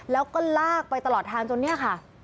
แล้วก็ลากไปตลอดทางจนเนี่ยค่ะ